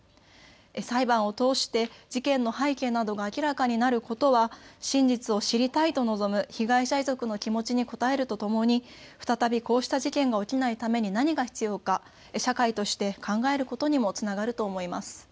裁判を通して事件の背景などが明らかになることは真実を知りたいと望む被害者遺族の気持ちに応えるとともに再びこうした事件が起きないために何が必要か社会として考えることにもつながると思います。